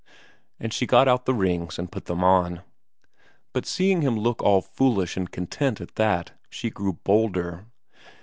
And she got out the rings and put them on. But seeing him look all foolish and content at that, she grew bolder.